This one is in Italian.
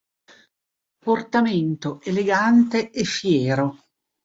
Portamento elegante e fiero.